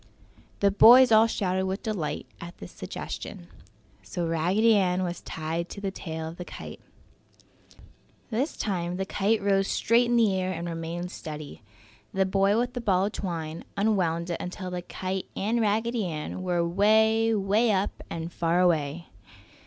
The boys all shouted with delight at this new suggestion. So Raggedy Ann was tied to the tail of the kite. This time the kite rose straight in the air and remained steady. The boy with the ball of twine unwound it until the kite and Raggedy Ann were 'way, 'way up and far away.